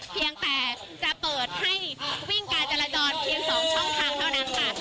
เพียงแต่จะเปิดให้วิ่งการจราจรเพียง๒ช่องทางเท่านั้นค่ะ